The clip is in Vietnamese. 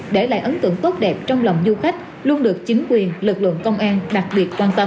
để lại ấn tượng tốt đẹp trong lòng du khách luôn được chính quyền lực lượng công an đặc biệt quan tâm